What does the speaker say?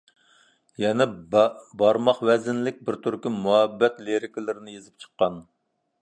يەنە بارماق ۋەزىنلىك بىر تۈركۈم مۇھەببەت لىرىكىلىرىنى يېزىپ چىققان.